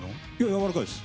やわらかいです。